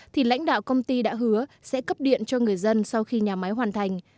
thì lãnh đạo công ty đã hứa sẽ cấp điện cho người dân sau khi nhà máy hoàn thành